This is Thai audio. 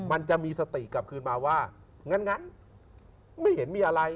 มันจะมีสติกลับคืนมาว่างั้นไม่เห็นมีอะไร